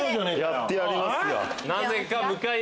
やってやりますよ。